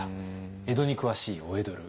江戸にくわしい「お江戸ル」